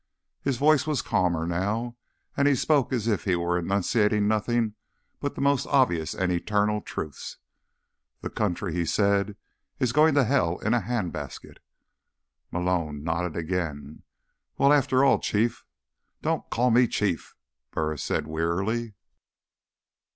His voice was calmer now, and he spoke as if he were enunciating nothing but the most obvious and eternal truths. "The country," he said, "is going to hell in a handbasket." Malone nodded again. "Well, after all, Chief—" "Don't call me Chief," Burris said wearily.